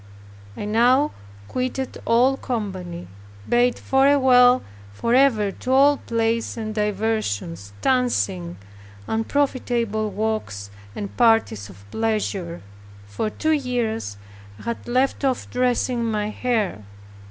I now quitted all company, bade farewell forever to all plays and diversions, dancing, unprofitable walks and parties of pleasure. For two years I had left off dressing my hair.